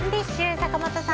坂本さん